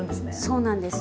そうなんです。